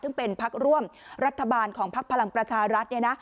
ซึ่งเป็นภักดิ์ร่วมรัฐบาลของภักดิ์พลังประชารัฐ